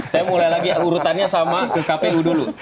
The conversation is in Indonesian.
saya mulai lagi urutannya sama ke kpu dulu